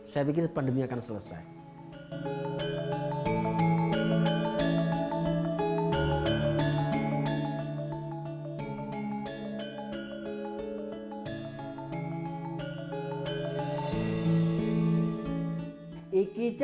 saya pikir pandemi akan selesai